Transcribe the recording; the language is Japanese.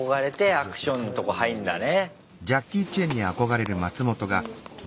アクションのとこ入るんだね。